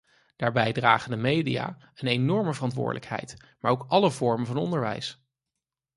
Daarbij dragen de media een enorme verantwoordelijkheid, maar ook alle vormen van onderwijs.